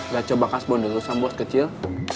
gak coba kasbon dulu sambos kecil